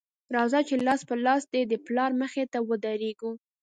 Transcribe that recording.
راځه چې لاس په لاس دې د پلار مخې ته ودرېږو